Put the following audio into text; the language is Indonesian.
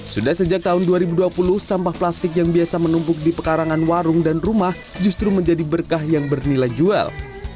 sudah sejak tahun dua ribu dua puluh sampah plastik yang biasa menumpuk di pekarangan warung dan rumah justru menjadi berkah yang bernilai jual